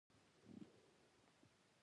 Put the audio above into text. د کوژدې په مراسمو کې میوه وړل کیږي.